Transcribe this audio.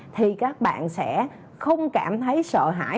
thì các bạn sẽ không cảm thấy sợ hãi